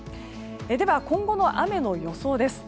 今後の雨の予想です。